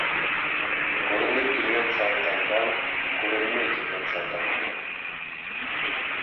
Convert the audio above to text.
Күренеп килгән шайтандан күренмәй килгән шайтан яман.